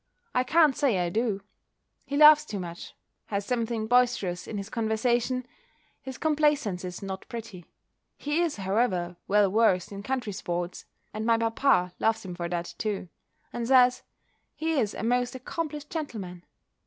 I can't say I do. He laughs too much; has something boisterous in his conversation: his complaisance is not pretty; he is, however, well versed in country sports; and my papa loves him for that too, and says "He is a most accomplished gentleman."